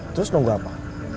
terus nunggu apa